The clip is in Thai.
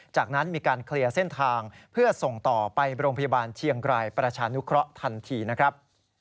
จากนั้นมีการเคลียร์เส้นทางเพื่อส่งต่อไปโรงพยาบาลเชียงรายประชานุเคราะห์ทันทีนะครับ